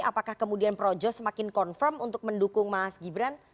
apakah kemudian projo semakin confirm untuk mendukung mas gibran